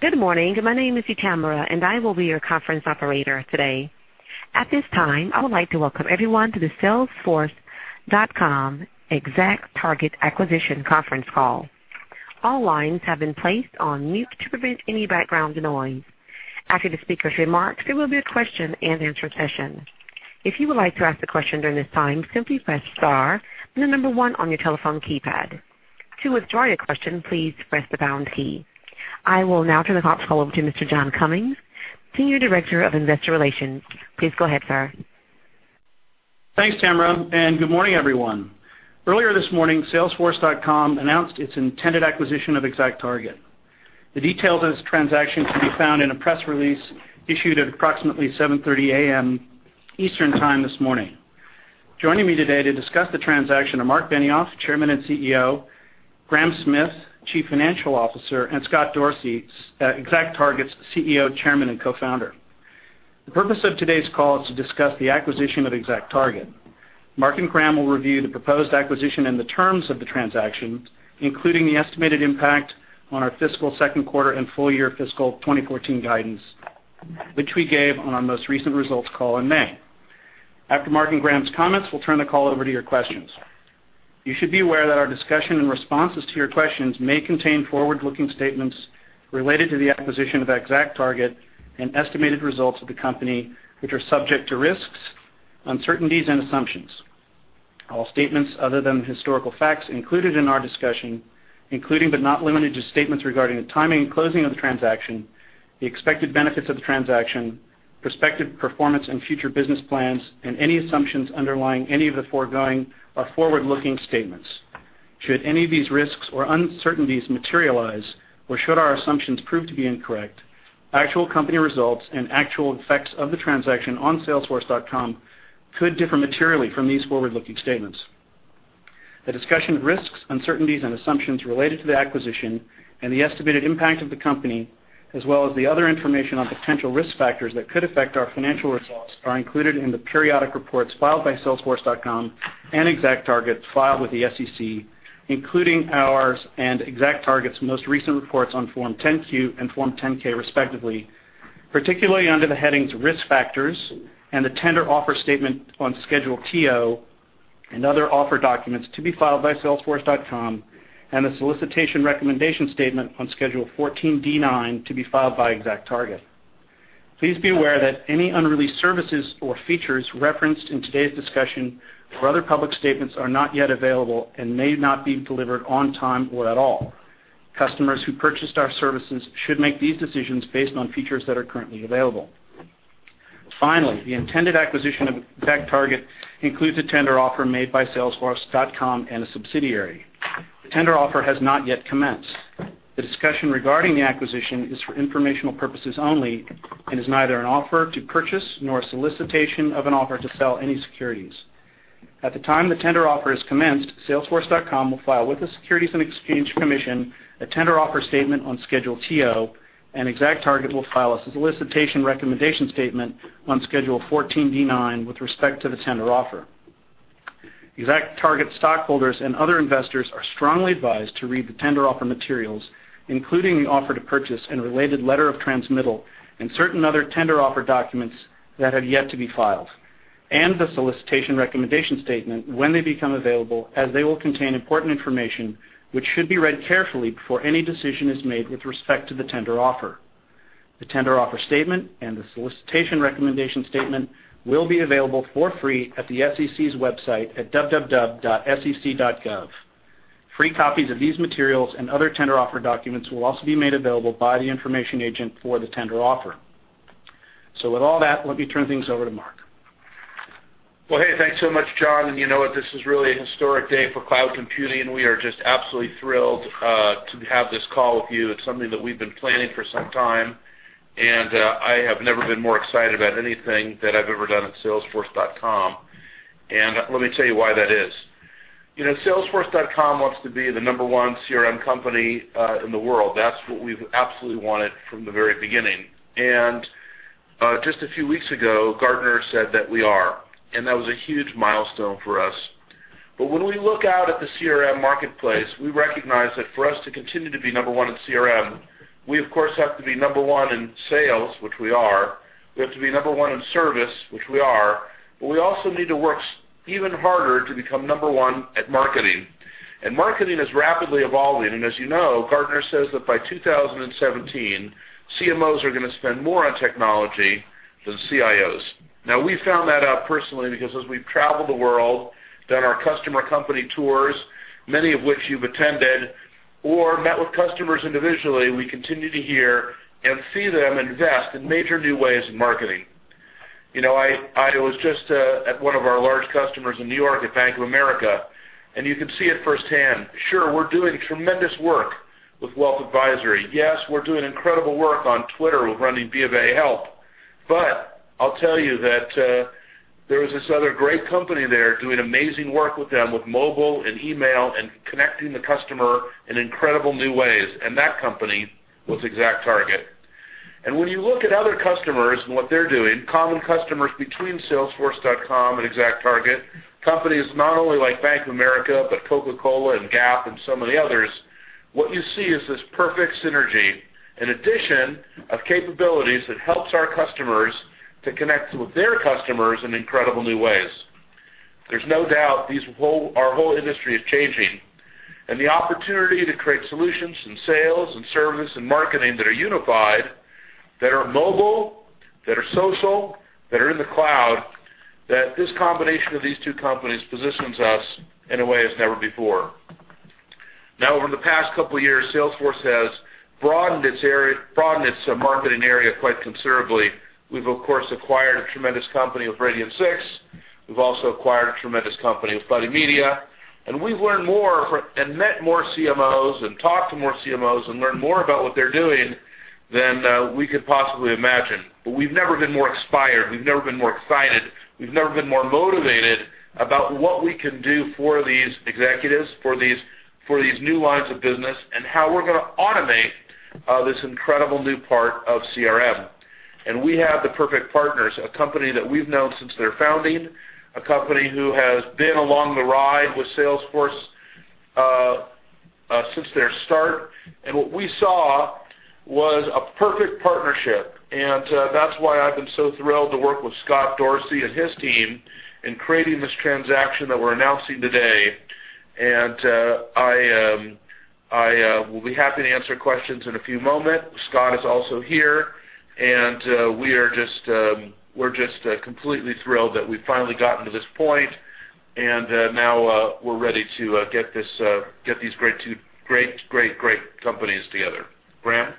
Good morning. My name is Tamara, and I will be your conference operator today. At this time, I would like to welcome everyone to the salesforce.com ExactTarget acquisition conference call. All lines have been placed on mute to prevent any background noise. After the speaker's remarks, there will be a question and answer session. If you would like to ask a question during this time, simply press star, and the number 1 on your telephone keypad. To withdraw your question, please press the pound key. I will now turn the conference call over to Mr. John Cummings, Senior Director of Investor Relations. Please go ahead, sir. Thanks, Tamara, and good morning, everyone. Earlier this morning, salesforce.com announced its intended acquisition of ExactTarget. The details of this transaction can be found in a press release issued at approximately 7:30 A.M. Eastern Time this morning. Joining me today to discuss the transaction are Marc Benioff, Chairman and CEO, Graham Smith, Chief Financial Officer, and Scott Dorsey, ExactTarget's CEO, Chairman, and Co-founder. The purpose of today's call is to discuss the acquisition of ExactTarget. Marc and Graham will review the proposed acquisition and the terms of the transaction, including the estimated impact on our fiscal second quarter and full-year fiscal 2014 guidance, which we gave on our most recent results call in May. After Marc and Graham's comments, we'll turn the call over to your questions. You should be aware that our discussion and responses to your questions may contain forward-looking statements related to the acquisition of ExactTarget and estimated results of the company, which are subject to risks, uncertainties, and assumptions. All statements other than historical facts included in our discussion, including but not limited to statements regarding the timing and closing of the transaction, the expected benefits of the transaction, prospective performance and future business plans, and any assumptions underlying any of the foregoing are forward-looking statements. Should any of these risks or uncertainties materialize, or should our assumptions prove to be incorrect, actual company results and actual effects of the transaction on salesforce.com could differ materially from these forward-looking statements. The discussion of risks, uncertainties and assumptions related to the acquisition and the estimated impact of the company, as well as the other information on potential risk factors that could affect our financial results, are included in the periodic reports filed by salesforce.com and ExactTarget filed with the SEC, including ours and ExactTarget's most recent reports on Form 10-Q and Form 10-K, respectively, particularly under the headings Risk Factors and the Tender Offer Statement on Schedule TO and other offer documents to be filed by salesforce.com, and the Solicitation Recommendation Statement on Schedule 14D-9 to be filed by ExactTarget. Please be aware that any unreleased services or features referenced in today's discussion or other public statements are not yet available and may not be delivered on time or at all. Customers who purchased our services should make these decisions based on features that are currently available. The intended acquisition of ExactTarget includes a tender offer made by salesforce.com and a subsidiary. The tender offer has not yet commenced. The discussion regarding the acquisition is for informational purposes only and is neither an offer to purchase nor a solicitation of an offer to sell any securities. At the time the tender offer is commenced, salesforce.com will file with the Securities and Exchange Commission a tender offer statement on Schedule TO, and ExactTarget will file a solicitation recommendation statement on Schedule 14D-9 with respect to the tender offer. ExactTarget stockholders and other investors are strongly advised to read the tender offer materials, including the offer to purchase and related letter of transmittal, and certain other tender offer documents that have yet to be filed, and the solicitation recommendation statement when they become available, as they will contain important information which should be read carefully before any decision is made with respect to the tender offer. The tender offer statement and the solicitation recommendation statement will be available for free at the SEC's website at www.sec.gov. Free copies of these materials and other tender offer documents will also be made available by the information agent for the tender offer. With all that, let me turn things over to Marc. Well, hey, thanks so much, John, you know what? This is really a historic day for cloud computing. We are just absolutely thrilled to have this call with you. It's something that we've been planning for some time, I have never been more excited about anything that I've ever done at salesforce.com. Let me tell you why that is. You know, salesforce.com wants to be the number one CRM company in the world. That's what we've absolutely wanted from the very beginning. Just a few weeks ago, Gartner said that we are, that was a huge milestone for us. When we look out at the CRM marketplace, we recognize that for us to continue to be number one in CRM, we of course, have to be number one in sales, which we are, we have to be number one in service, which we are, we also need to work even harder to become number one at marketing. Marketing is rapidly evolving, as you know, Gartner says that by 2017, CMOs are going to spend more on technology than CIOs. We found that out personally, because as we've traveled the world, done our customer company tours, many of which you've attended or met with customers individually, we continue to hear and see them invest in major new ways in marketing. You know, I was just at one of our large customers in New York at Bank of America, and you could see it firsthand. Sure, we're doing tremendous work with wealth advisory. Yes, we're doing incredible work on Twitter with running BofA Help. I'll tell you that there was this other great company there doing amazing work with them with mobile and email and connecting the customer in incredible new ways, and that company was ExactTarget. When you look at other customers and what they're doing, common customers between salesforce.com and ExactTarget, companies not only like Bank of America, but Coca-Cola and Gap and some of the others, what you see is this perfect synergy, an addition of capabilities that helps our customers to connect with their customers in incredible new ways. There's no doubt our whole industry is changing, and the opportunity to create solutions in sales and service and marketing that are unified, that are mobile, that are social, that are in the cloud, that this combination of these two companies positions us in a way as never before. Now, over the past couple of years, Salesforce has broadened its marketing area quite considerably. We've, of course, acquired a tremendous company with Radian6. We've also acquired a tremendous company with Buddy Media, and we've learned more and met more CMOs and talked to more CMOs and learned more about what they're doing than we could possibly imagine. We've never been more inspired, we've never been more excited, we've never been more motivated about what we can do for these executives, for these new lines of business, and how we're going to automate this incredible new part of CRM. We have the perfect partners, a company that we've known since their founding, a company who has been along the ride with Salesforce, since their start. What we saw was a perfect partnership, and that's why I've been so thrilled to work with Scott Dorsey and his team in creating this transaction that we're announcing today. I will be happy to answer questions in a few moments. Scott is also here, and we're just completely thrilled that we've finally gotten to this point, and now we're ready to get these two great companies together. Graham?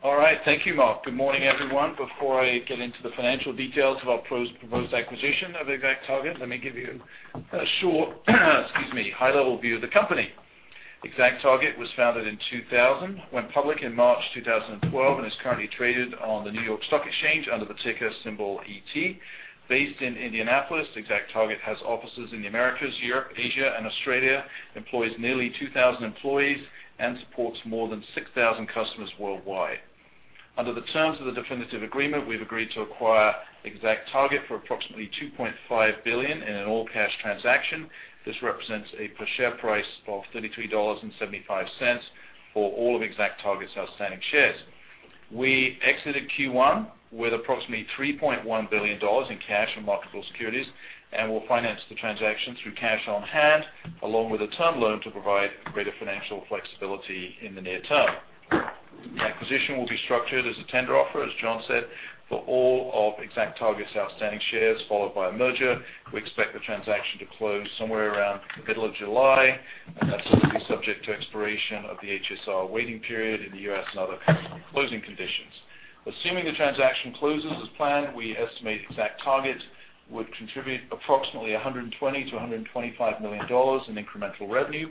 All right. Thank you, Marc. Good morning, everyone. Before I get into the financial details of our proposed acquisition of ExactTarget, let me give you a short excuse me, high-level view of the company. ExactTarget was founded in 2000, went public in March 2012, and is currently traded on the New York Stock Exchange under the ticker symbol ET. Based in Indianapolis, ExactTarget has offices in the Americas, Europe, Asia, and Australia, employs nearly 2,000 employees, and supports more than 6,000 customers worldwide. Under the terms of the definitive agreement, we've agreed to acquire ExactTarget for approximately $2.5 billion in an all-cash transaction. This represents a per-share price of $33.75 for all of ExactTarget's outstanding shares. We exited Q1 with approximately $3.1 billion in cash and marketable securities and will finance the transaction through cash on hand, along with a term loan to provide greater financial flexibility in the near term. The acquisition will be structured as a tender offer, as John said, for all of ExactTarget's outstanding shares, followed by a merger. We expect the transaction to close somewhere around the middle of July, and that's to be subject to expiration of the HSR waiting period in the U.S. and other custom closing conditions. Assuming the transaction closes as planned, we estimate ExactTarget would contribute approximately $120 million-$125 million in incremental revenue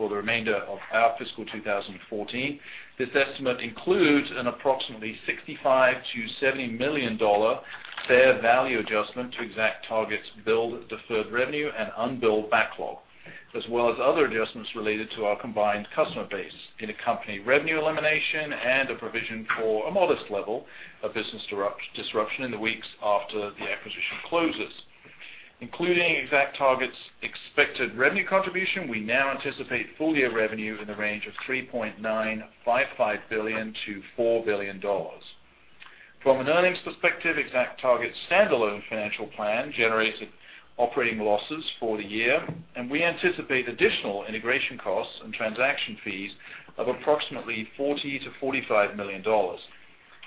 for the remainder of our fiscal 2014. This estimate includes an approximately $65 million-$70 million fair value adjustment to ExactTarget's billed deferred revenue and unbilled backlog, as well as other adjustments related to our combined customer base, intercompany revenue elimination, and a provision for a modest level of business disruption in the weeks after the acquisition closes. Including ExactTarget's expected revenue contribution, we now anticipate full-year revenue in the range of $3.955 billion-$4 billion. From an earnings perspective, ExactTarget's standalone financial plan generated operating losses for the year, and we anticipate additional integration costs and transaction fees of approximately $40 million-$45 million.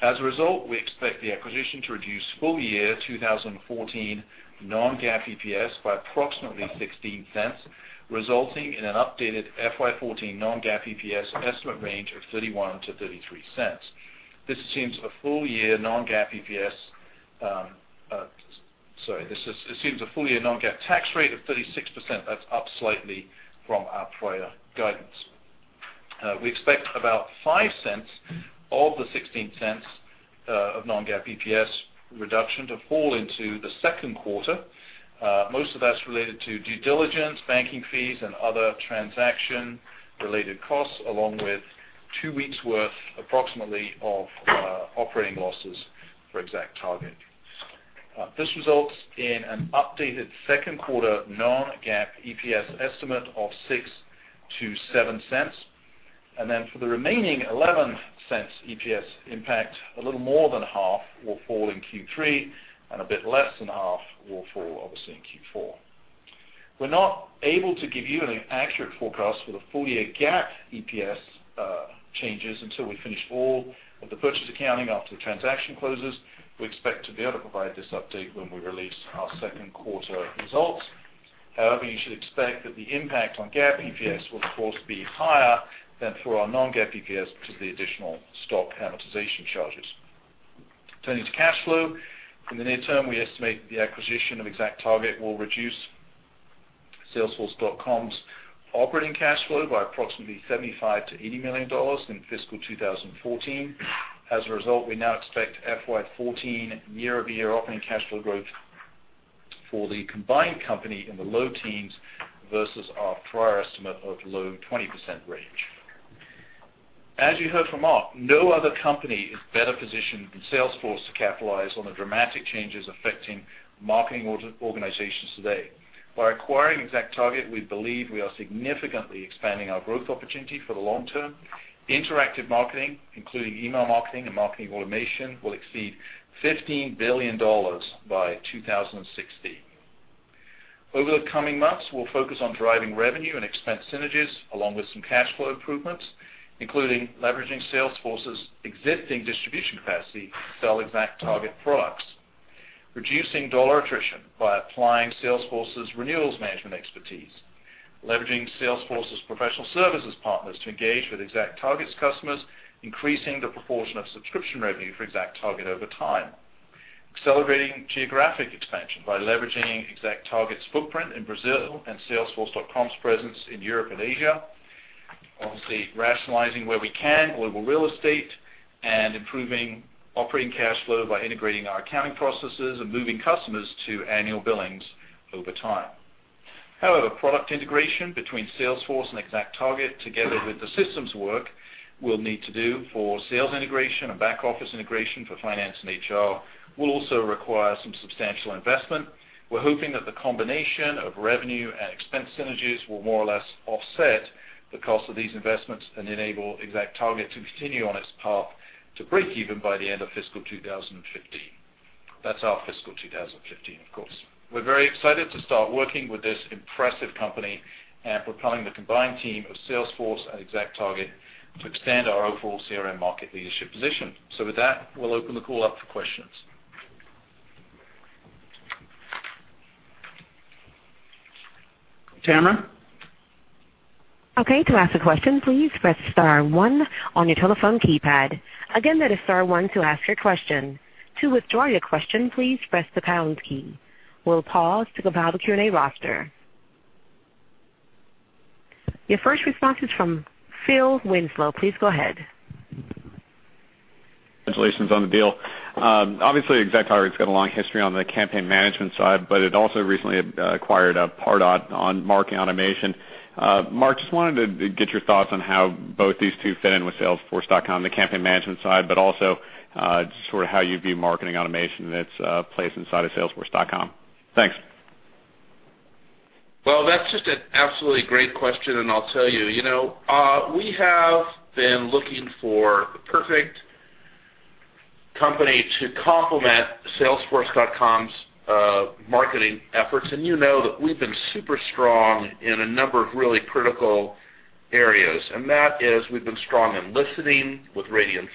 As a result, we expect the acquisition to reduce full-year 2014 non-GAAP EPS by approximately $0.16, resulting in an updated FY 2014 non-GAAP EPS estimate range of $0.31-$0.33. This assumes a full-year non-GAAP tax rate of 36%. That's up slightly from our prior guidance. We expect about $0.05 of the $0.16 of non-GAAP EPS reduction to fall into the second quarter. Most of that's related to due diligence, banking fees, and other transaction-related costs, along with two weeks' worth, approximately, of operating losses for ExactTarget. This results in an updated second quarter non-GAAP EPS estimate of $0.06-$0.07. Then for the remaining $0.11 EPS impact, a little more than half will fall in Q3, and a bit less than half will fall, obviously, in Q4. We're not able to give you an accurate forecast for the full-year GAAP EPS changes until we finish all of the purchase accounting after the transaction closes. We expect to be able to provide this update when we release our second quarter results. However, you should expect that the impact on GAAP EPS will, of course, be higher than for our non-GAAP EPS due to the additional stock amortization charges. Turning to cash flow. In the near term, we estimate that the acquisition of ExactTarget will reduce salesforce.com's operating cash flow by approximately $75 million-$80 million in fiscal 2014. As a result, we now expect FY 2014 year-over-year operating cash flow growth for the combined company in the low teens versus our prior estimate of low 20% range. As you heard from Marc, no other company is better positioned than Salesforce to capitalize on the dramatic changes affecting marketing organizations today. By acquiring ExactTarget, we believe we are significantly expanding our growth opportunity for the long term. Interactive marketing, including email marketing and marketing automation, will exceed $15 billion by 2016. Over the coming months, we'll focus on driving revenue and expense synergies, along with some cash flow improvements, including leveraging Salesforce's existing distribution capacity to sell ExactTarget products, reducing dollar attrition by applying Salesforce's renewals management expertise, leveraging Salesforce's professional services partners to engage with ExactTarget's customers, increasing the proportion of subscription revenue for ExactTarget over time, accelerating geographic expansion by leveraging ExactTarget's footprint in Brazil, and salesforce.com's presence in Europe and Asia. Obviously, rationalizing where we can global real estate, and improving operating cash flow by integrating our accounting processes and moving customers to annual billings over time. However, product integration between Salesforce and ExactTarget, together with the systems work we'll need to do for sales integration and back office integration for finance and HR, will also require some substantial investment. We're hoping that the combination of revenue and expense synergies will more or less offset the cost of these investments and enable ExactTarget to continue on its path to break even by the end of fiscal 2015. That's our fiscal 2015, of course. We're very excited to start working with this impressive company and propelling the combined team of Salesforce and ExactTarget to extend our overall CRM market leadership position. With that, we'll open the call up for questions. Tamara? Okay. To ask a question, please press star one on your telephone keypad. Again, that is star one to ask your question. To withdraw your question, please press the pound key. We'll pause to compile the Q&A roster. Your first response is from Phil Winslow. Please go ahead. Congratulations on the deal. Obviously, ExactTarget's got a long history on the campaign management side, but it also recently acquired Pardot on marketing automation. Marc, just wanted to get your thoughts on how both these two fit in with salesforce.com, the campaign management side, but also just how you view marketing automation and its place inside of salesforce.com. Thanks. Well, that's just an absolutely great question, and I'll tell you. We have been looking for the perfect company to complement salesforce.com's marketing efforts, and you know that we've been super strong in a number of really critical areas, and that is, we've been strong in listening with Radian6,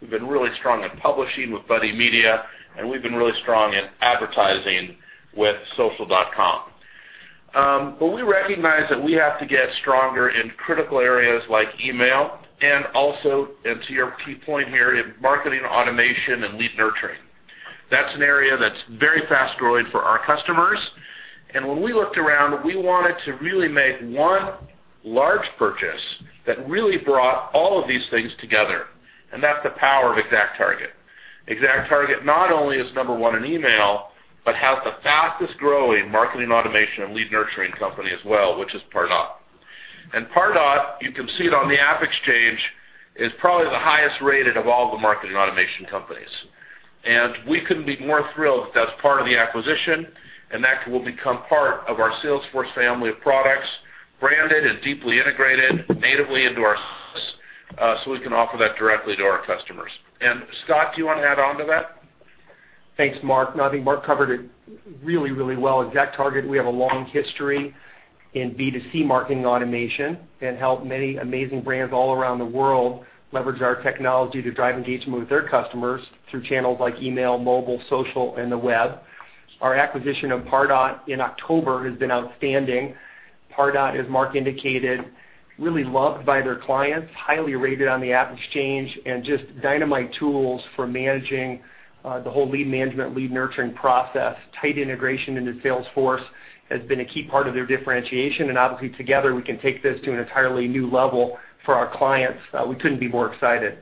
we've been really strong in publishing with Buddy Media, and we've been really strong in advertising with Social.com. We recognize that we have to get stronger in critical areas like email and also, and to your key point here, in marketing automation and lead nurturing. That's an area that's very fast-growing for our customers. When we looked around, we wanted to really make one large purchase that really brought all of these things together, and that's the power of ExactTarget. ExactTarget not only is number 1 in email, but has the fastest growing marketing automation and lead nurturing company as well, which is Pardot. Pardot, you can see it on the AppExchange, is probably the highest rated of all the marketing automation companies. We couldn't be more thrilled that that's part of the acquisition, and that will become part of our Salesforce family of products, branded and deeply integrated natively into our system, so we can offer that directly to our customers. Scott, do you want to add on to that? Thanks, Marc. No, I think Marc covered it really, really well. ExactTarget, we have a long history in B2C marketing automation and helped many amazing brands all around the world leverage our technology to drive engagement with their customers through channels like email, mobile, social, and the web. Our acquisition of Pardot in October has been outstanding. Pardot, as Marc indicated, really loved by their clients, highly rated on the AppExchange, and just dynamite tools for managing the whole lead management, lead nurturing process. Tight integration into Salesforce has been a key part of their differentiation. Obviously, together, we can take this to an entirely new level for our clients. We couldn't be more excited.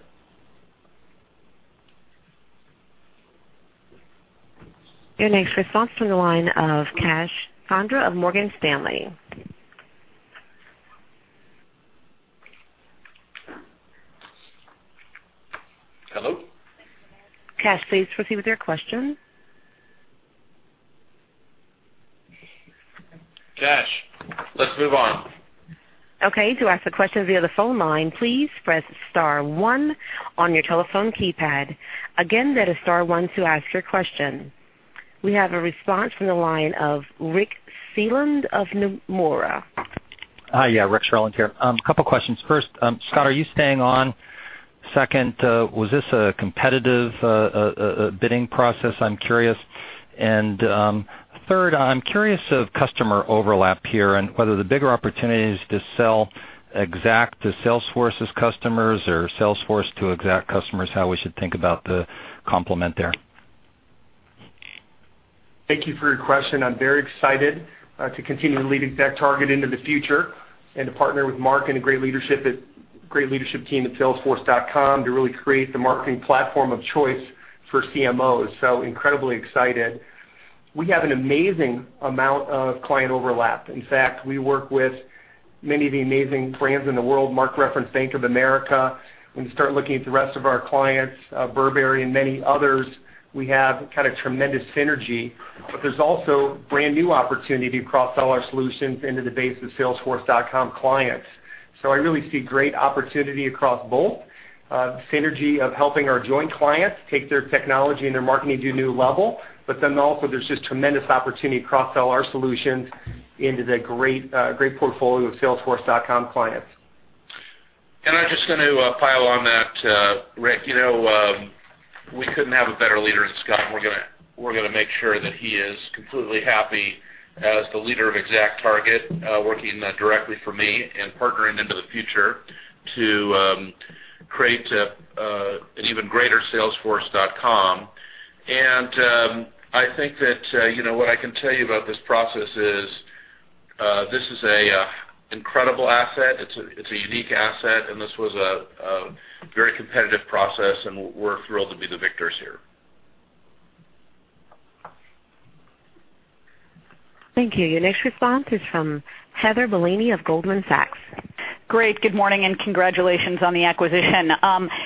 Your next response from the line of Kash Rangan of Morgan Stanley. Hello? Kash, please proceed with your question. Kash, let's move on. Okay. To ask a question via the phone line, please press star one on your telephone keypad. Again, that is star one to ask your question. We have a response from the line of Richard Sherlund of Nomura. Hi. Yeah, Richard Sherlund here. Couple of questions. First, Scott, are you staying on? Second, was this a competitive bidding process? I'm curious. Third, I'm curious of customer overlap here and whether the bigger opportunity is to sell ExactTarget to Salesforce's customers or Salesforce to ExactTarget customers, how we should think about the complement there. Thank you for your question. I'm very excited to continue to lead ExactTarget into the future and to partner with Marc and the great leadership team at salesforce.com to really create the marketing platform of choice for CMOs, so incredibly excited. We have an amazing amount of client overlap. In fact, we work with many of the amazing brands in the world. Marc referenced Bank of America. When you start looking at the rest of our clients, Burberry and many others, we have tremendous synergy. There's also brand-new opportunity to cross-sell our solutions into the base of salesforce.com clients. I really see great opportunity across both synergy of helping our joint clients take their technology and their marketing to a new level. Also there's just tremendous opportunity to cross-sell our solutions into the great portfolio of salesforce.com clients. I'm just going to pile on that, Rick. We couldn't have a better leader in Scott, and we're going to make sure that he is completely happy as the leader of ExactTarget, working directly for me and partnering into the future to create an even greater salesforce.com. I think that, what I can tell you about this process is, this is a incredible asset. It's a unique asset, and this was a very competitive process, and we're thrilled to be the victors here. Thank you. Your next response is from Heather Bellini of Goldman Sachs. Great. Good morning, and congratulations on the acquisition.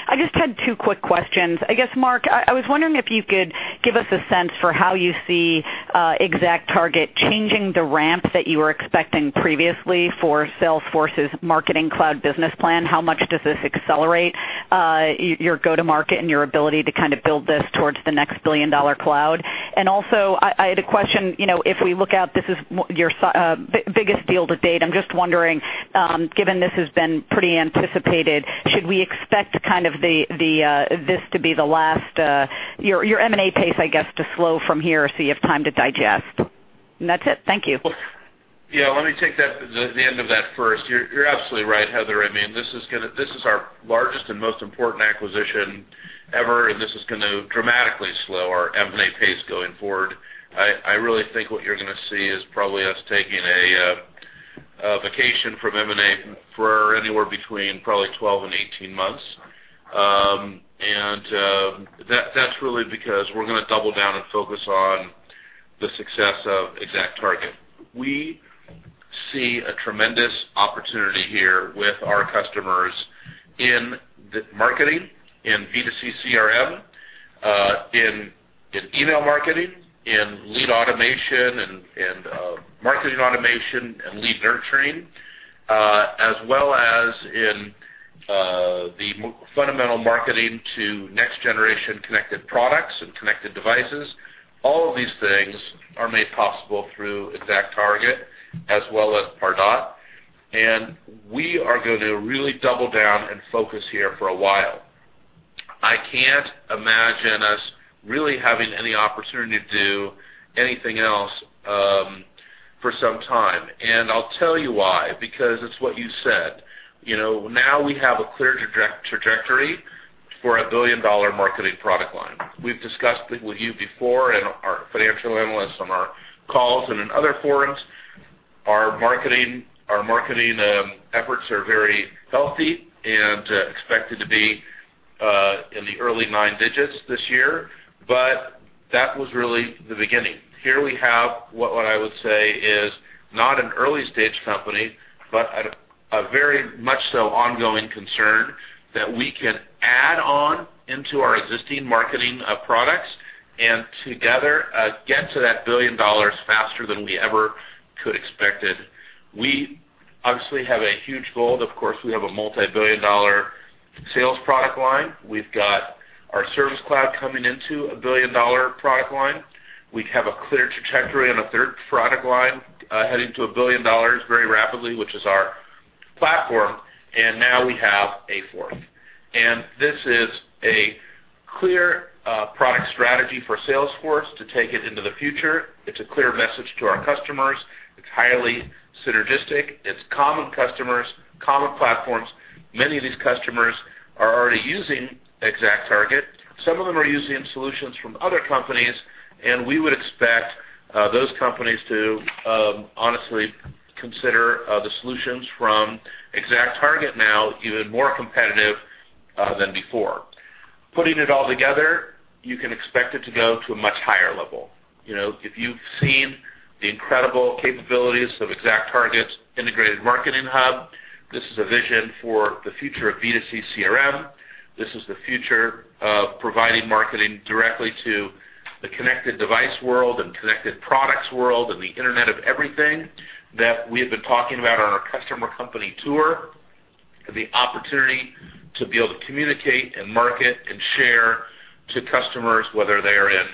I just had two quick questions. I guess, Marc, I was wondering if you could give us a sense for how you see ExactTarget changing the ramp that you were expecting previously for Salesforce's Marketing Cloud business plan. How much does this accelerate your go-to-market and your ability to build this towards the next billion-dollar cloud? Also, I had a question. If we look out, this is your biggest deal to date. I'm just wondering, given this has been pretty anticipated, should we expect this to be the last, your M&A pace, I guess, to slow from here so you have time to digest? That's it. Thank you. Yeah, let me take the end of that first. You're absolutely right, Heather. This is our largest and most important acquisition ever, and this is going to dramatically slow our M&A pace going forward. I really think what you're going to see is probably us taking a vacation from M&A for anywhere between probably 12 and 18 months. That's really because we're going to double down and focus on the success of ExactTarget. We see a tremendous opportunity here with our customers in marketing, in B2C CRM, in email marketing, in lead automation, and marketing automation and lead nurturing, as well as in the fundamental marketing to next-generation connected products and connected devices. All of these things are made possible through ExactTarget as well as Pardot, and we are going to really double down and focus here for a while. I can't imagine us really having any opportunity to do anything else for some time, and I'll tell you why, because it's what you said. Now we have a clear trajectory for a billion-dollar marketing product line. We've discussed it with you before and our financial analysts on our calls and in other forums. Our marketing efforts are very healthy and expected to be in the early nine digits this year. That was really the beginning. Here we have, what I would say is not an early-stage company, but a very much so ongoing concern that we can add on into our existing marketing products and together get to that $1 billion faster than we ever could expected. We obviously have a huge goal. Of course, we have a multi-billion-dollar sales product line. We've got our Service Cloud coming into a billion-dollar product line. We have a clear trajectory on a third product line heading to a $1 billion very rapidly, which is our platform, and now we have a fourth. This is a clear product strategy for Salesforce to take it into the future. It's a clear message to our customers. It's highly synergistic. It's common customers, common platforms. Many of these customers are already using ExactTarget. Some of them are using solutions from other companies, and we would expect those companies to honestly consider the solutions from ExactTarget now even more competitive than before. Putting it all together, you can expect it to go to a much higher level. If you've seen the incredible capabilities of ExactTarget's integrated marketing hub, this is a vision for the future of B2C CRM. This is the future of providing marketing directly to the connected device world and connected products world, and the Internet of everything that we have been talking about on our customer company tour. The opportunity to be able to communicate and market and share to customers, whether they are in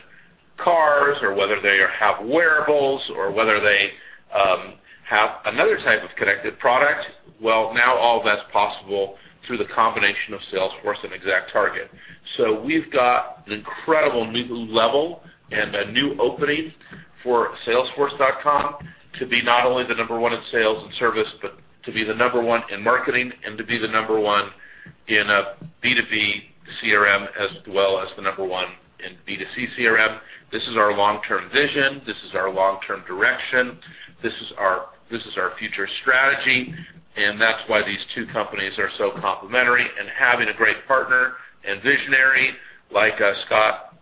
cars or whether they have wearables or whether they have another type of connected product. Well, now all that's possible through the combination of Salesforce and ExactTarget. We've got an incredible new level and a new opening for salesforce.com to be not only the number one in sales and service, but to be the number one in marketing and to be the number one In a B2B CRM, as well as the number one in B2C CRM. This is our long-term vision, this is our long-term direction, this is our future strategy, and that's why these two companies are so complementary. Having a great partner and visionary like Scott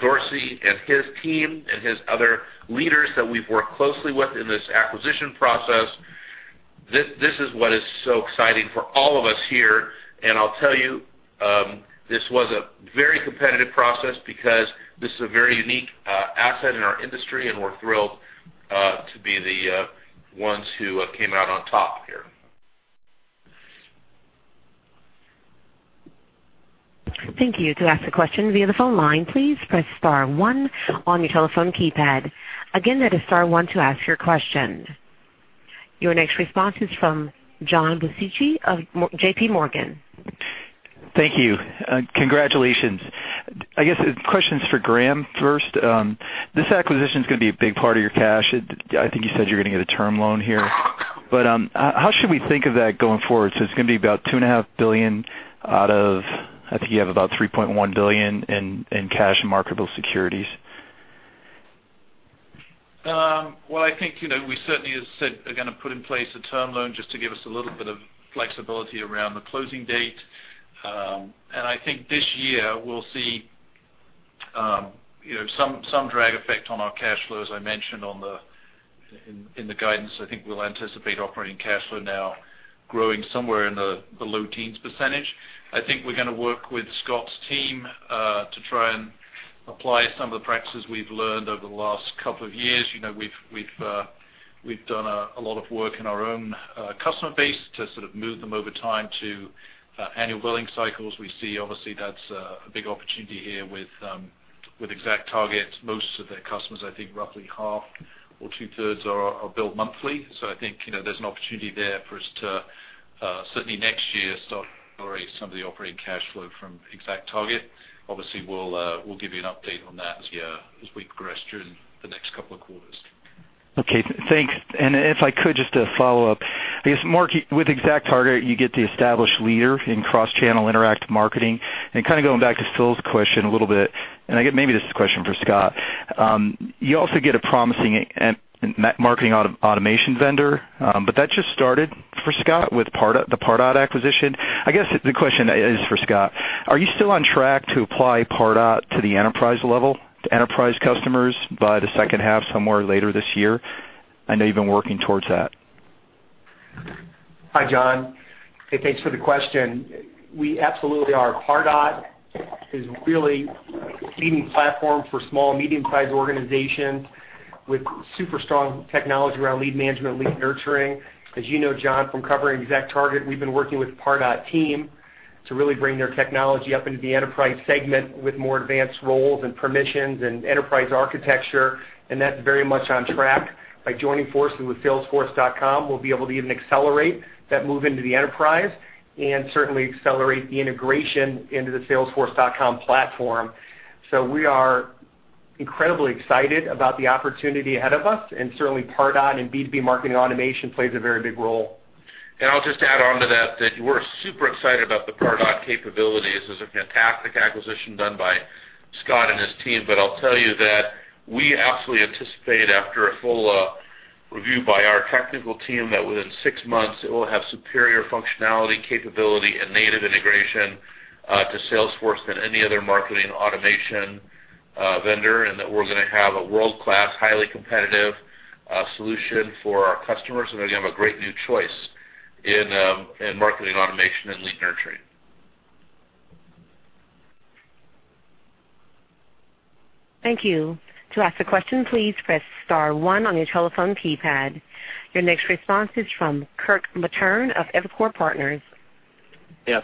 Dorsey and his team, and his other leaders that we've worked closely with in this acquisition process, this is what is so exciting for all of us here. I'll tell you, this was a very competitive process because this is a very unique asset in our industry, and we're thrilled to be the ones who came out on top here. Thank you. To ask a question via the phone line, please press star one on your telephone keypad. Again, that is star one to ask your question. Your next response is from John DiFucci of JPMorgan. Thank you. Congratulations. I guess this question's for Graham first. This acquisition's going to be a big part of your cash. I think you said you're going to get a term loan here. How should we think of that going forward? It's going to be about $2.5 billion out of, I think you have about $3.1 billion in cash and marketable securities. Well, I think, we certainly, as said, are going to put in place a term loan just to give us a little bit of flexibility around the closing date. I think this year we'll see some drag effect on our cash flow, as I mentioned in the guidance. I think we'll anticipate operating cash flow now growing somewhere in the low teens percentage. I think we're going to work with Scott's team, to try and apply some of the practices we've learned over the last couple of years. We've done a lot of work in our own customer base to sort of move them over time to annual billing cycles. We see, obviously, that's a big opportunity here with ExactTarget. Most of their customers, I think, roughly half or two-thirds are billed monthly. I think there's an opportunity there for us to, certainly next year, start to accelerate some of the operating cash flow from ExactTarget. Obviously, we'll give you an update on that as we progress during the next couple of quarters. Okay, thanks. If I could just a follow-up. I guess Marc, with ExactTarget, you get the established leader in cross-channel interactive marketing. Kind of going back to Phil's question a little bit. I get maybe this is a question for Scott. You also get a promising marketing automation vendor. That just started for Scott with the Pardot acquisition. I guess the question is for Scott. Are you still on track to apply Pardot to the enterprise level, to enterprise customers by the second half, somewhere later this year? I know you've been working towards that. Hi, John. Hey, thanks for the question. We absolutely are. Pardot is really a leading platform for small, medium-sized organizations with super strong technology around lead management, lead nurturing. As you know, John, from covering ExactTarget, we've been working with Pardot team to really bring their technology up into the enterprise segment with more advanced roles and permissions and enterprise architecture. That's very much on track. By joining forces with salesforce.com, we'll be able to even accelerate that move into the enterprise and certainly accelerate the integration into the salesforce.com platform. We are incredibly excited about the opportunity ahead of us, and certainly Pardot and B2B marketing automation plays a very big role. I'll just add on to that we're super excited about the Pardot capabilities. It was a fantastic acquisition done by Scott and his team. I'll tell you that we absolutely anticipate after a full review by our technical team, that within six months it will have superior functionality, capability, and native integration to Salesforce than any other marketing automation vendor. We're going to have a world-class, highly competitive solution for our customers, and they're going to have a great new choice in marketing automation and lead nurturing. Thank you. To ask a question, please press star one on your telephone keypad. Your next response is from Kirk Materne of Evercore.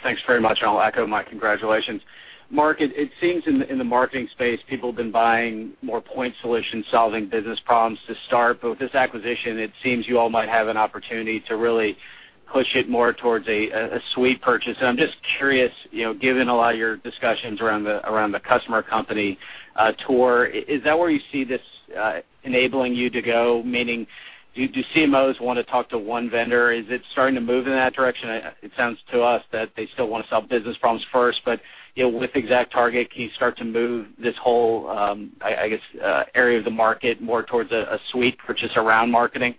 Thanks very much, and I'll echo my congratulations. Marc, it seems in the marketing space, people have been buying more point solution-solving business problems to start. With this acquisition, it seems you all might have an opportunity to really push it more towards a suite purchase. I'm just curious, given a lot of your discussions around the customer company tour, is that where you see this enabling you to go? Meaning, do CMOs want to talk to one vendor? Is it starting to move in that direction? It sounds to us that they still want to solve business problems first. With ExactTarget, can you start to move this whole, I guess, area of the market more towards a suite purchase around marketing?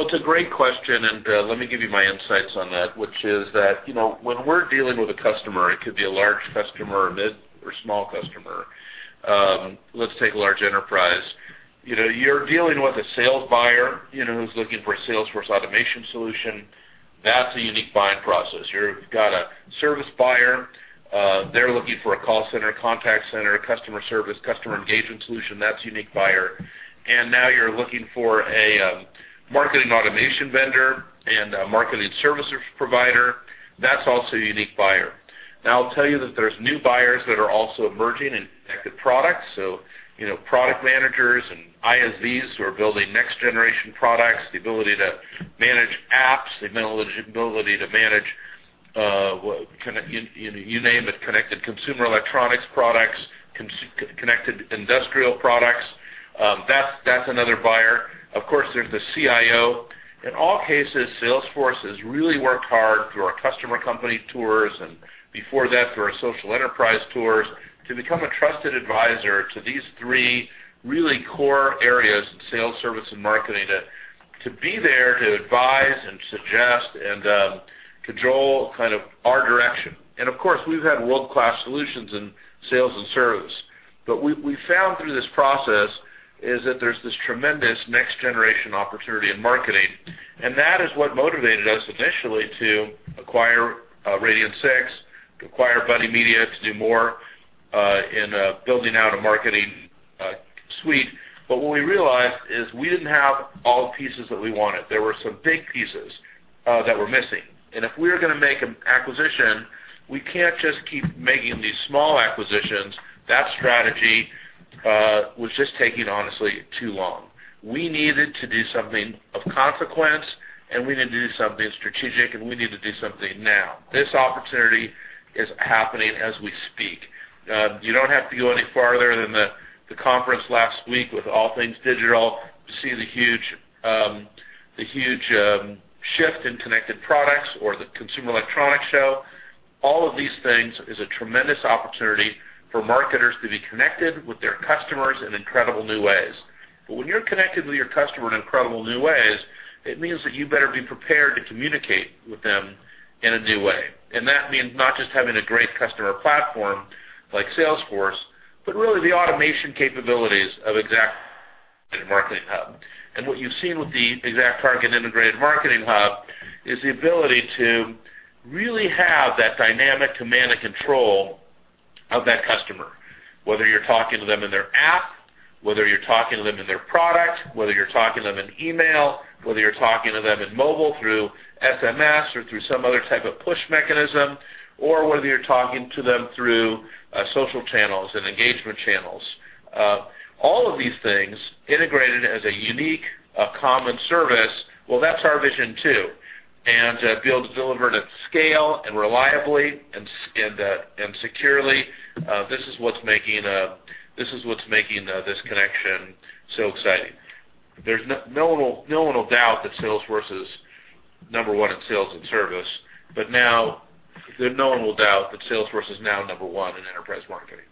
It's a great question, and let me give you my insights on that, which is that, when we're dealing with a customer, it could be a large customer, a mid, or a small customer. Let's take a large enterprise. You're dealing with a sales buyer who's looking for a Salesforce automation solution. That's a unique buying process. You've got a service buyer, they're looking for a call center, a contact center, a customer service, customer engagement solution, that's a unique buyer. Now you're looking for a marketing automation vendor and a marketing services provider, that's also a unique buyer. I'll tell you that there's new buyers that are also emerging in connected products. Product managers and ISVs who are building next-generation products, the ability to manage apps, the ability to manage, you name it, connected consumer electronics products, connected industrial products. That's another buyer. Of course, there's the CIO. In all cases, Salesforce has really worked hard through our customer company tours, and before that, through our social enterprise tours to become a trusted advisor to these three really core areas in sales, service, and marketing to be there to advise and suggest and control our direction. Of course, we've had world-class solutions in sales and service. We've found through this process is that there's this tremendous next-generation opportunity in marketing, and that is what motivated us initially to acquire Radian6, to acquire Buddy Media, to do more in building out a marketing suite. What we realized is we didn't have all the pieces that we wanted. There were some big pieces that were missing. If we're going to make an acquisition, we can't just keep making these small acquisitions. That strategy was just taking, honestly, too long. We needed to do something of consequence. We needed to do something strategic. We needed to do something now. This opportunity is happening as we speak. You don't have to go any farther than the conference last week with All Things Digital to see the huge shift in connected products or the Consumer Electronics Show. All of these things is a tremendous opportunity for marketers to be connected with their customers in incredible new ways. When you're connected with your customer in incredible new ways, it means that you better be prepared to communicate with them in a new way. That means not just having a great customer platform like Salesforce, but really the automation capabilities of ExactTarget Marketing Hub. What you've seen with the ExactTarget Integrated Marketing Hub is the ability to really have that dynamic command and control of that customer, whether you're talking to them in their app, whether you're talking to them in their product, whether you're talking to them in email, whether you're talking to them in mobile through SMS or through some other type of push mechanism, or whether you're talking to them through social channels and engagement channels. All of these things integrated as a unique, common service, well, that's our vision too. To be able to deliver it at scale and reliably and securely, this is what's making this connection so exciting. No one will doubt that Salesforce is number 1 in sales and service. Now no one will doubt that Salesforce is now number 1 in enterprise marketing.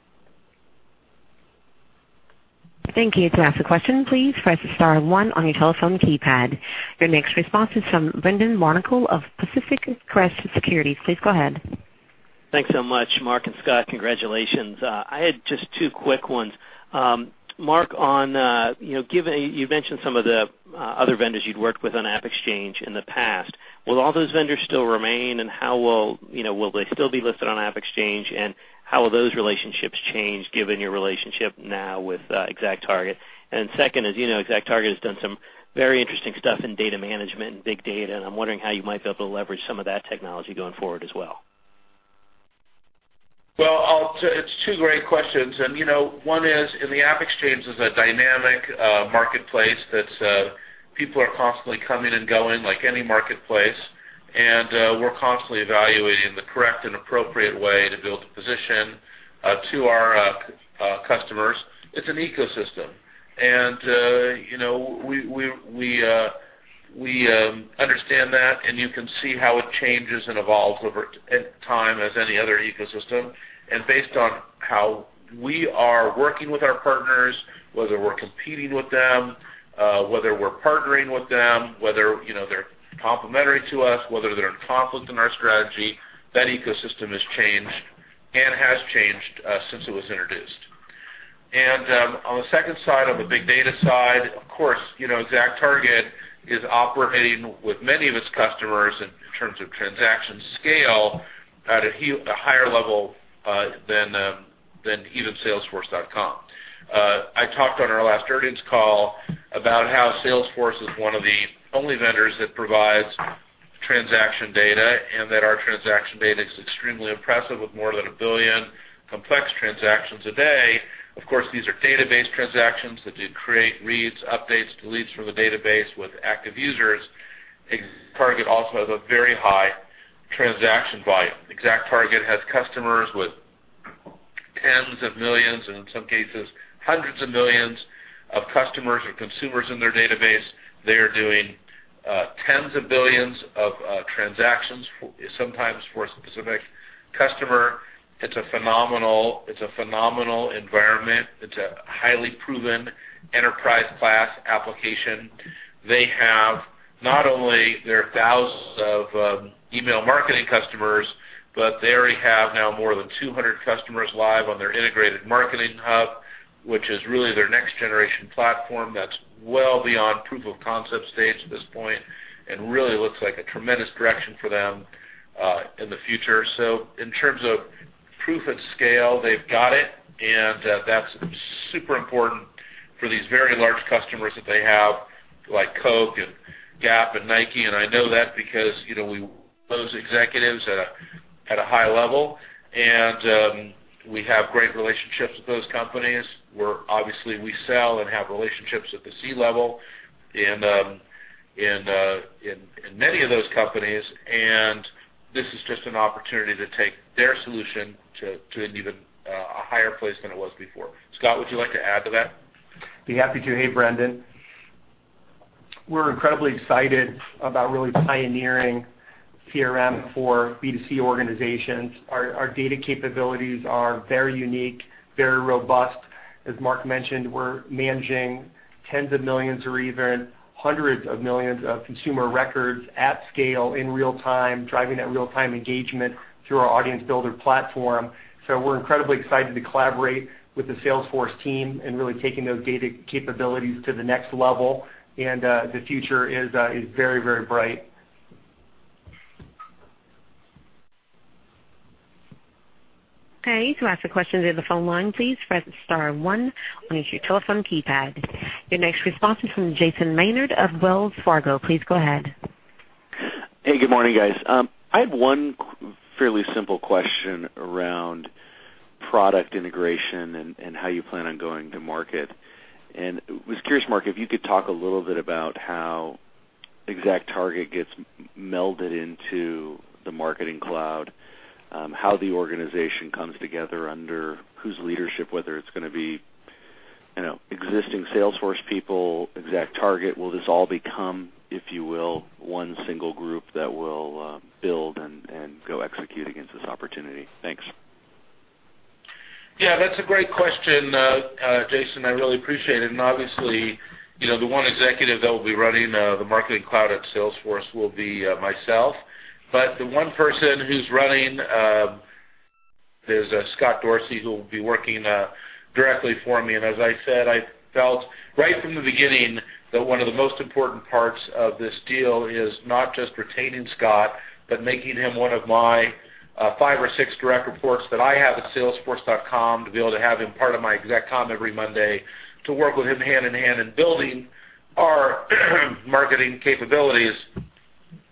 Thank you. To ask a question, please press star 1 on your telephone keypad. Your next response is from Brendan Barnicle of Pacific Crest Securities. Please go ahead. Thanks so much, Mark and Scott. Congratulations. I had just two quick ones. Mark, you mentioned some of the other vendors you'd worked with on AppExchange in the past. Will all those vendors still remain? Will they still be listed on AppExchange? How will those relationships change given your relationship now with ExactTarget? Second is, ExactTarget has done some very interesting stuff in data management and big data. I'm wondering how you might be able to leverage some of that technology going forward as well. Well, it's two great questions. One is in the AppExchange is a dynamic marketplace that people are constantly coming and going like any marketplace, and we're constantly evaluating the correct and appropriate way to build a position to our customers. It's an ecosystem. We understand that, and you can see how it changes and evolves over time as any other ecosystem. Based on how we are working with our partners, whether we're competing with them, whether we're partnering with them, whether they're complementary to us, whether they're in conflict in our strategy, that ecosystem has changed and has changed since it was introduced. On the second side, on the big data side, of course, ExactTarget is operating with many of its customers in terms of transaction scale at a higher level than even salesforce.com. I talked on our last earnings call about how Salesforce is one of the only vendors that provides transaction data and that our transaction data is extremely impressive with more than 1 billion complex transactions a day. Of course, these are database transactions that do create reads, updates, deletes from the database with active users. ExactTarget also has a very high transaction volume. ExactTarget has customers with tens of millions, and in some cases hundreds of millions of customers or consumers in their database. They are doing tens of billions of transactions sometimes for a specific customer. It's a phenomenal environment. It's a highly proven enterprise-class application. They have not only their thousands of email marketing customers, but they already have now more than 200 customers live on their Integrated Marketing Hub, which is really their next-generation platform that's well beyond proof of concept stage at this point and really looks like a tremendous direction for them in the future. In terms of proof of scale, they've got it, and that's super important for these very large customers that they have, like Coca-Cola and Gap and Nike. I know that because those executives at a high level, and we have great relationships with those companies, where obviously we sell and have relationships at the C-level and in many of those companies, and this is just an opportunity to take their solution to an even higher place than it was before. Scott, would you like to add to that? Be happy to. Hey, Brendan. We're incredibly excited about really pioneering CRM for B2C organizations. Our data capabilities are very unique, very robust. As Marc mentioned, we're managing tens of millions or even hundreds of millions of consumer records at scale, in real-time, driving that real-time engagement through our Audience Builder platform. We're incredibly excited to collaborate with the Salesforce team and really taking those data capabilities to the next level. The future is very bright. Okay, to ask a question via the phone line, please press star one on your telephone keypad. Your next response is from Jason Maynard of Wells Fargo. Please go ahead. Hey, good morning, guys. I have one fairly simple question around product integration and how you plan on going to market. Was curious, Marc, if you could talk a little bit about how ExactTarget gets melded into the Marketing Cloud, how the organization comes together, under whose leadership, whether it's going to be existing Salesforce people, ExactTarget. Will this all become, if you will, one single group that will build and go execute against this opportunity? Thanks. Yeah, that's a great question, Jason. I really appreciate it. Obviously, the one executive that will be running the Marketing Cloud at Salesforce will be myself. The one person who's running, is Scott Dorsey, who will be working directly for me. As I said, I felt right from the beginning that one of the most important parts of this deal is not just retaining Scott, but making him one of my five or six direct reports that I have at salesforce.com, to be able to have him part of my exec comm every Monday, to work with him hand-in-hand in building our marketing capabilities.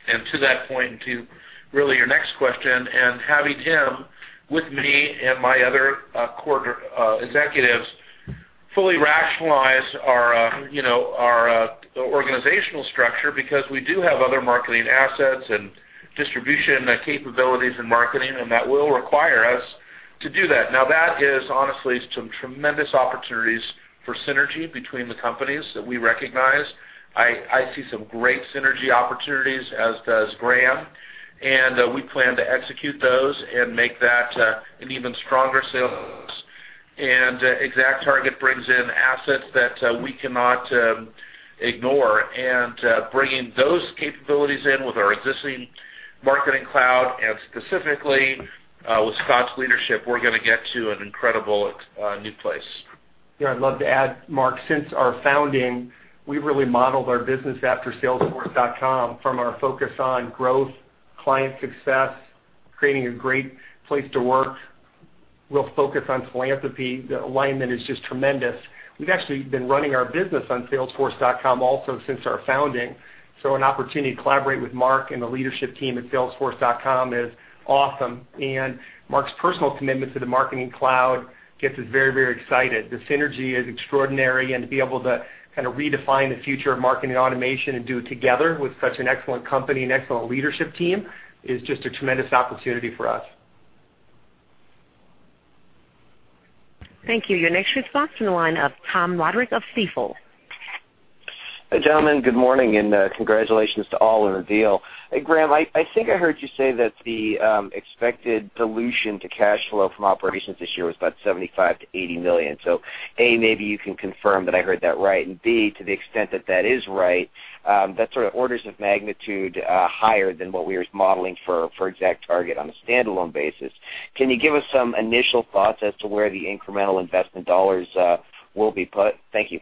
To that point, to really your next question, and having him with me and my other core executives fully rationalize our organizational structure, because we do have other marketing assets and distribution capabilities in marketing, and that will require us to do that. Now, that is honestly some tremendous opportunities for synergy between the companies that we recognize. I see some great synergy opportunities, as does Graham. We plan to execute those and make that an even stronger sales. ExactTarget brings in assets that we cannot ignore. Bringing those capabilities in with our existing Marketing Cloud and specifically with Scott's leadership, we're going to get to an incredible new place. I'd love to add, Mark, since our founding, we've really modeled our business after salesforce.com from our focus on growth, client success, creating a great place to work. We'll focus on philanthropy. The alignment is just tremendous. We've actually been running our business on salesforce.com also since our founding. An opportunity to collaborate with Mark and the leadership team at salesforce.com is awesome. Mark's personal commitment to the Marketing Cloud gets us very excited. The synergy is extraordinary, and to be able to kind of redefine the future of marketing automation and do it together with such an excellent company and excellent leadership team is just a tremendous opportunity for us. Thank you. Your next response from the line of Tom Roderick of Stifel. Gentlemen. Good morning, and congratulations to all on the deal. Graham, I think I heard you say that the expected dilution to cash flow from operations this year was about $75 million-$80 million. A, maybe you can confirm that I heard that right, and B, to the extent that that is right, that sort of orders of magnitude higher than what we were modeling for ExactTarget on a standalone basis. Can you give us some initial thoughts as to where the incremental investment dollars will be put? Thank you.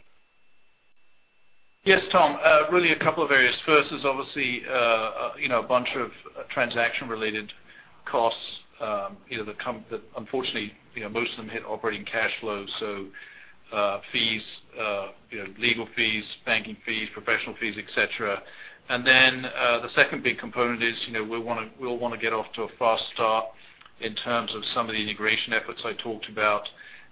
Yes, Tom. A couple of areas. First is obviously, a bunch of transaction-related costs, that unfortunately, most of them hit operating cash flows. Legal fees, banking fees, professional fees, et cetera. The second big component is, we'll want to get off to a fast start in terms of some of the integration efforts I talked about.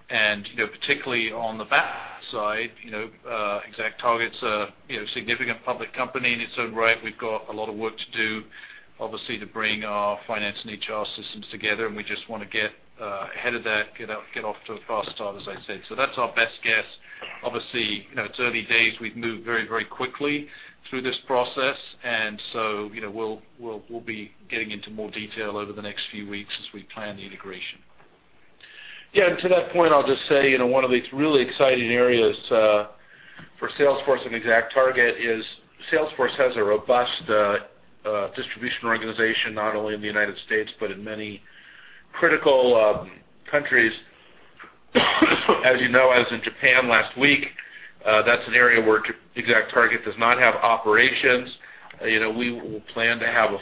Particularly on the back side, ExactTarget's a significant public company in its own right. We've got a lot of work to do, obviously, to bring our finance and HR systems together, and we just want to get ahead of that, get off to a fast start, as I said. That's our best guess. Obviously, it's early days. We've moved very quickly through this process, and we'll be getting into more detail over the next few weeks as we plan the integration. Yeah, to that point, I'll just say, one of the really exciting areas for Salesforce and ExactTarget is Salesforce has a robust distribution organization, not only in the U.S., but in many critical countries. As you know, I was in Japan last week. That's an area where ExactTarget does not have operations. We plan to have a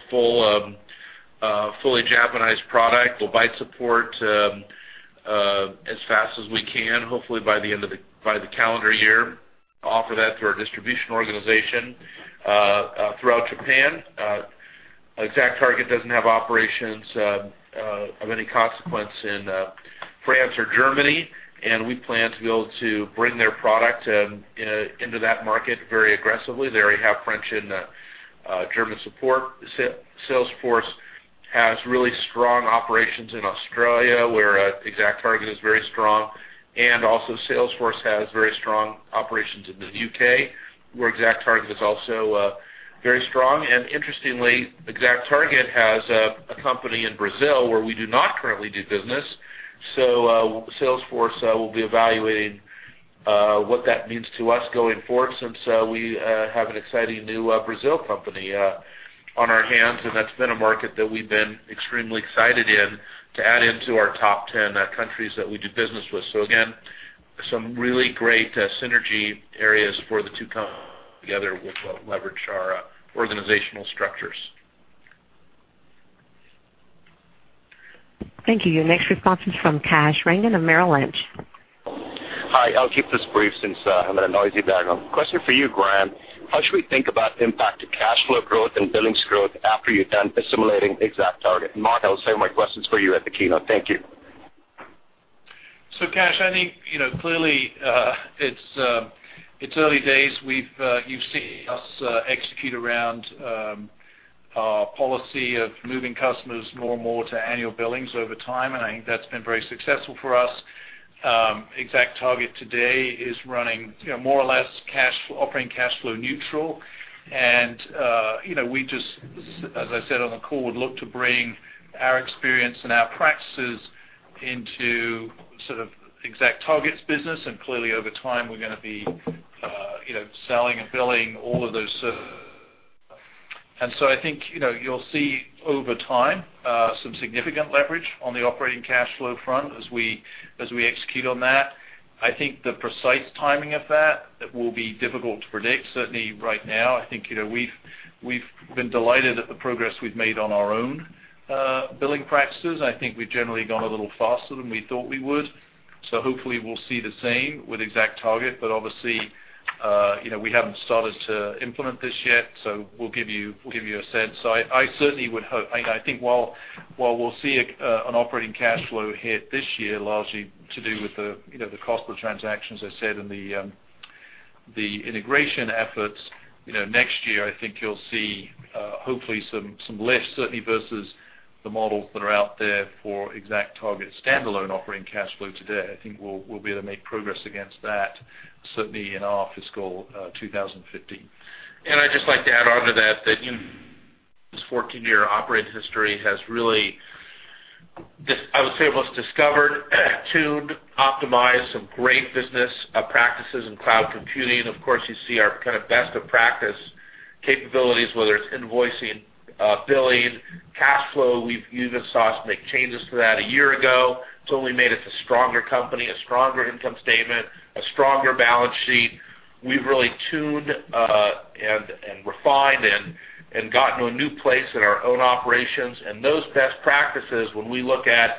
fully Japanized product. We'll provide support as fast as we can, hopefully by the calendar year, offer that through our distribution organization throughout Japan. ExactTarget doesn't have operations of any consequence in France or Germany, and we plan to be able to bring their product into that market very aggressively. They already have French and German support. Salesforce has really strong operations in Australia, where ExactTarget is very strong, and also Salesforce has very strong operations in the U.K., where ExactTarget is also very strong. Interestingly, ExactTarget has a company in Brazil where we do not currently do business. Salesforce will be evaluating what that means to us going forward since we have an exciting new Brazil company on our hands, and that's been a market that we've been extremely excited in to add into our top 10 countries that we do business with. Again, some really great synergy areas for the two companies coming together, which will leverage our organizational structures. Thank you. Your next response is from Kash Rangan of Morgan Stanley. Hi. I'll keep this brief since I'm in a noisy background. Question for you, Graham. How should we think about impact to cash flow growth and billings growth after you're done assimilating ExactTarget? Marc, I will save my questions for you at the keynote. Thank you. Kash, I think, clearly, it's early days. You've seen us execute around our policy of moving customers more and more to annual billings over time, and I think that's been very successful for us. ExactTarget today is running more or less operating cash flow neutral. We just, as I said on the call, would look to bring our experience and our practices into sort of ExactTarget's business, and clearly over time, we're going to be selling and billing all of those. I think, you'll see over time, some significant leverage on the operating cash flow front as we execute on that. I think the precise timing of that will be difficult to predict. Certainly right now, I think, we've been delighted at the progress we've made on our own billing practices. I think we've generally gone a little faster than we thought we would. Hopefully we'll see the same with ExactTarget, but obviously, we haven't started to implement this yet, so we'll give you a sense. I certainly would hope. I think while we'll see an operating cash flow hit this year largely to do with the cost of the transactions, as I said, and the integration efforts. Next year, I think you'll see, hopefully, some lift certainly versus the models that are out there for ExactTarget standalone operating cash flow today. I think we'll be able to make progress against that certainly in our fiscal 2015. I'd just like to add onto that this 14-year operating history has really, I would say, almost discovered, tuned, optimized some great business practices in cloud computing. Of course, you see our best of practice capabilities, whether it's invoicing, billing, cash flow. You even saw us make changes to that a year ago. It's only made us a stronger company, a stronger income statement, a stronger balance sheet. We've really tuned and refined and gotten to a new place in our own operations. Those best practices, when we look at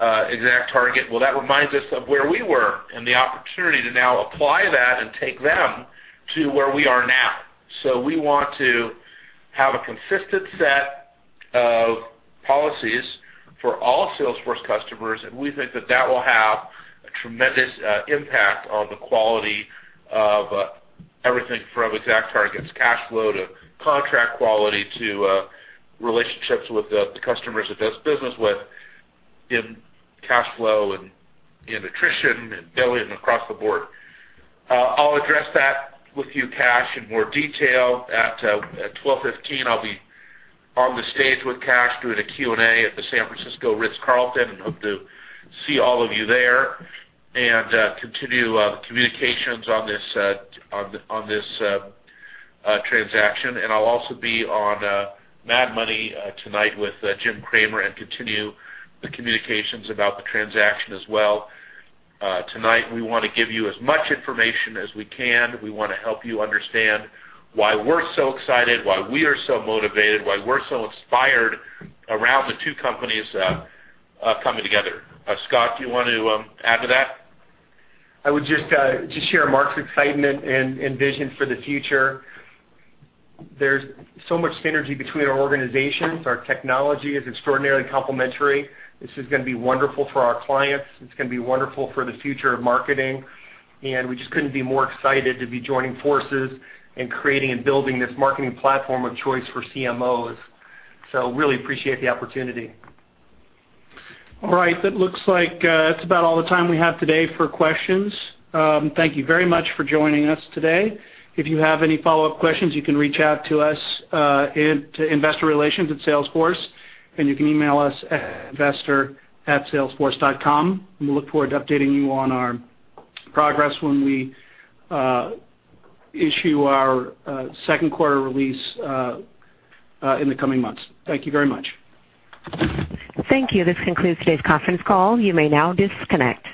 ExactTarget, well, that reminds us of where we were and the opportunity to now apply that and take them to where we are now. We want to have a consistent set of policies for all Salesforce customers, and we think that that will have a tremendous impact on the quality of everything from ExactTarget's cash flow to contract quality to relationships with the customers it does business with in cash flow and in attrition and billing across the board. I'll address that with you, Kash, in more detail at 12:15. I'll be on the stage with Kash doing a Q&A at the San Francisco Ritz Carlton, and hope to see all of you there and continue communications on this transaction. I'll also be on "Mad Money" tonight with Jim Cramer and continue the communications about the transaction as well. Tonight, we want to give you as much information as we can. We want to help you understand why we're so excited, why we are so motivated, why we're so inspired around the two companies coming together. Scott, do you want to add to that? I would just share Marc's excitement and vision for the future. There's so much synergy between our organizations. Our technology is extraordinarily complementary. This is going to be wonderful for our clients. It's going to be wonderful for the future of marketing, and we just couldn't be more excited to be joining forces and creating and building this marketing platform of choice for CMOs. Really appreciate the opportunity. All right. That looks like that's about all the time we have today for questions. Thank you very much for joining us today. If you have any follow-up questions, you can reach out to us at investor relations at Salesforce, and you can email us at investor@salesforce.com. We look forward to updating you on our progress when we issue our second quarter release in the coming months. Thank you very much. Thank you. This concludes today's conference call. You may now disconnect.